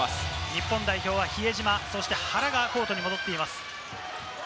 日本代表は比江島と原がコートに戻っています。